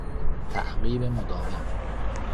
تعقیب مداوم